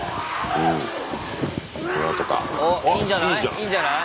いいんじゃない？